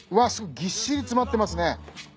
ぎっしり詰まってますね。